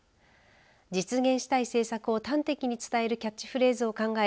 実現したい政策を端的に伝えるキャッチフレーズを考え